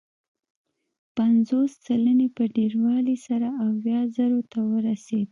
پنځوس سلنې په ډېروالي سره اویا زرو ته ورسېد.